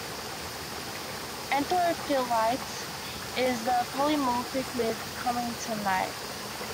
Anthophyllite is polymorphic with cummingtonite.